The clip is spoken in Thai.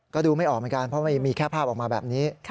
ก็ดูไม่ออกเหมือนกันเพราะมันมีแค่ภาพออกมาแบบนี้